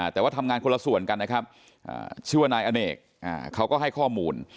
แต่ว่าทำงานคนละส่วนกันนะครับชื่อว่านายอเนกเขาก็ให้ข้อมูล